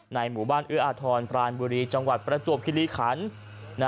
หมู่บ้านเอื้ออาทรพรานบุรีจังหวัดประจวบคิริขัน